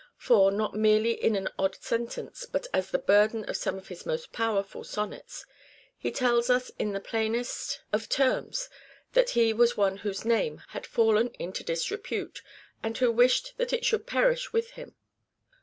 For, not merely in an odd sentence, but as the burden of some of his most powerful sonnets, he tells us in the plainest RECORDS OF EDWARD DE VERE 211 of terms, that he was one whose name had fallen into disrepute and who wished that it should perish with him.